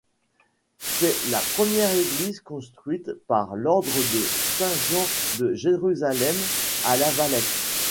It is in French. C'est la première église construite par l'Ordre de Saint-Jean de Jérusalem à La Valette.